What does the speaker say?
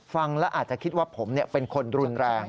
ฟังแล้วอาจจะคิดว่าผมเป็นคนรุนแรง